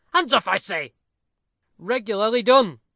Hands off! I say." "Regularly done!"